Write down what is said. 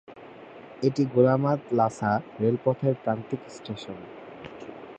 এটি গোলামাদ-লাসা রেলপথের প্রান্তিক স্টেশন।